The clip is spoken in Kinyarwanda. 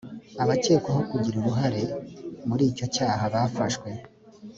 abakekwaho kugira uruhare muri icyo cyaha bafashwe